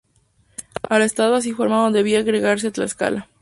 Al estado así formado debía agregarse Tlaxcala.